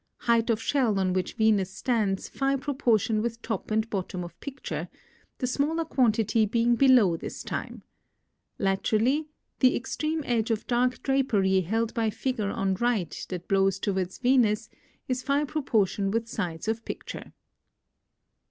Height of shell on which Venus stands Phi proportion with top and bottom of picture, the smaller quantity being below this time. Laterally the extreme edge of dark drapery held by figure on right that blows towards Venus is Phi proportion with sides of picture.